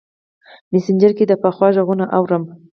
مسینجر کې دې پخوا غـــــــږونه اورم